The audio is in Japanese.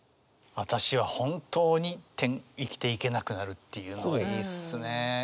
「あたしは本当に、生きていけなくなる」っていうのがいいっすねえ。